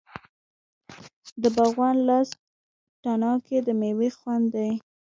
د باغوان لاس تڼاکې د میوې خوند دی.